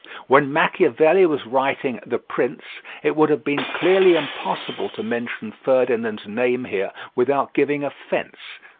"When Machiavelli was writing The Prince it would have been clearly impossible to mention Ferdinand's name here without giving offence."